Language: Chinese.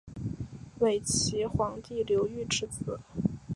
伪齐皇帝刘豫之子。